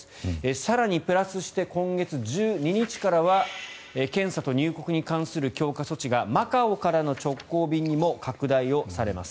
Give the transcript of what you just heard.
更にプラスして今月１２日からは検査と入国に関する強化措置がマカオからの直行便にも拡大されます。